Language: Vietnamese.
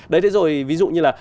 đấy thế rồi ví dụ như là